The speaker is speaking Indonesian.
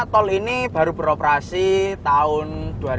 tol ini baru beroperasi tahun dua ribu sembilan belas